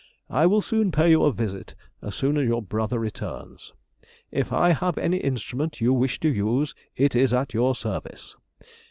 I will soon pay you a visit, as soon as your brother returns. If I have any instrument you wish to use, it is at your service.